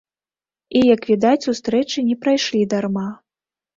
І, як відаць, сустрэчы не прайшлі дарма.